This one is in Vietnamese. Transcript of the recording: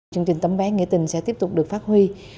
chương trình tấm vé nghĩa tình sẽ tiếp tục được phát huy